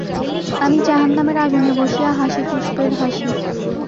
আমি জাহান্নামের আগুনে বসিয়া হাসি পুষ্পের হাসি।